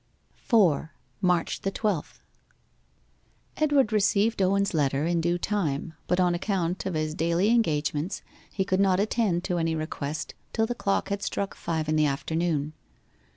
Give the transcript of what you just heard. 4. MARCH THE TWELFTH Edward received Owen's letter in due time, but on account of his daily engagements he could not attend to any request till the clock had struck five in the afternoon.